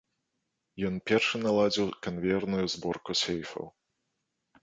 Ён першы наладзіў канвеерную зборку сейфаў.